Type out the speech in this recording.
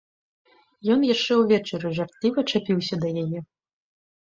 Ён яшчэ ўвечары жартліва чапіўся да яе.